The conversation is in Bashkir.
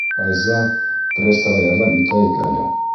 Файза, прессаға ярҙам итәйек әле.